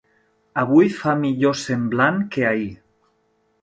Avui fa millor semblant que ahir.